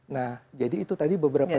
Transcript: nah jadi itu tadi beberapa